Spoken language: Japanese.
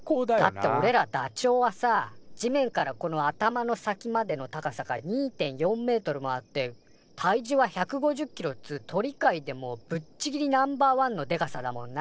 だっておれらダチョウはさ地面からこの頭の先までの高さが２．４メートルもあって体重は１５０キロっつう鳥界でもぶっちぎりナンバーワンのでかさだもんな。